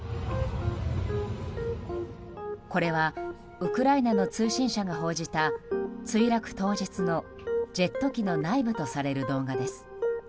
これはウクライナの通信社が報じた墜落当日のジェット機の内部とされる動画です。